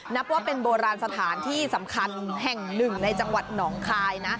นับว่าเป็นโบราณสถานที่สำคัญแห่งหนึ่งในจังหวัดหนองคายนะ